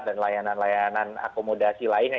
dan layanan layanan akomodasi lainnya